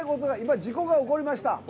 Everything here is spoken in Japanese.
事故が起こりました。